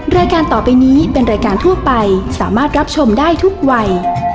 รายการต่อไปนี้เป็นรายการทั่วไปสามารถรับชมได้ทุกวัย